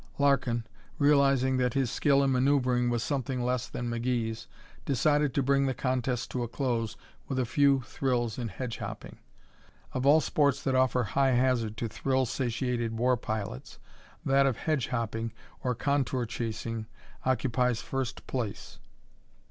Larkin, realizing that his skill in manoeuvering was something less than McGee's, decided to bring the contest to a close with a few thrills in hedge hopping. Of all sports that offer high hazard to thrill satiated war pilots, that of hedge hopping, or contour chasing, occupies first place.